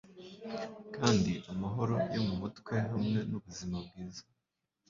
Kandi amahoro yo mumutwe hamwe nubuzima bwiza